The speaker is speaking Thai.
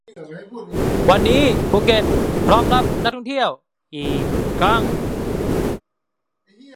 วันนี้ภูเก็ตพร้อมรับนักท่องเที่ยวอีกครั้ง